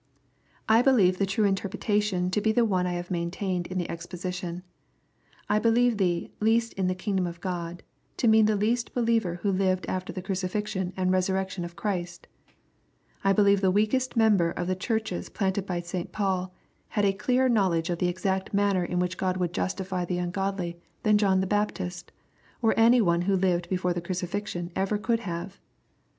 I believe the true interpretation to be the one I have maintained in the exposition. I believe the " least in the kingdom of Gkni," to mean the least believer who lived after the crucifixion and resurrection of Christ I believe the weakest member of the Churches planted by St Paul, had a clearer knowledge of the exact manner in which God would justify the ungodly dian John the Baptist^ or any one who lived before the crucifixion ever could have.